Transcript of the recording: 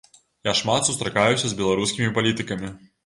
Я шмат сустракаюся з беларускімі палітыкамі.